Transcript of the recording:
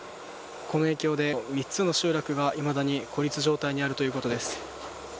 この影響で、３つの集落がいまだに孤立状態にあるということです。